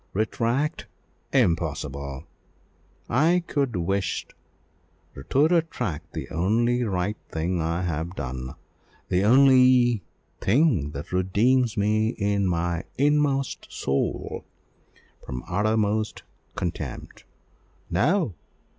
Retract! impossible I could wish to retract the only right thing I have done, the only thing that redeems me in my inmost soul from uttermost contempt. No!